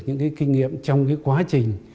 những cái kinh nghiệm trong cái quá trình